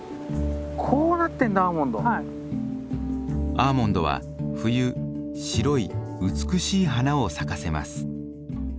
アーモンドは冬白い美しい花を咲かせます。